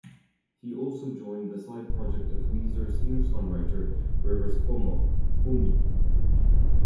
He also joined the side project of Weezer singer-songwriter Rivers Cuomo, Homie.